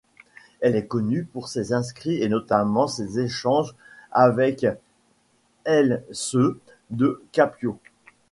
Elle est connue pour ses écrits et notamment ses échanges avec Iseut de Capio.